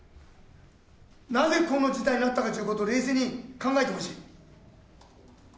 なぜこの事態になったかということ、冷静に考えてほしい。